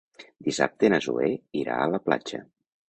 Dissabte na Zoè irà a la platja.